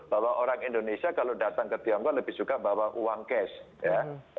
bahwa orang indonesia kalau datang ke tiongkok lebih suka bawa uang cash ya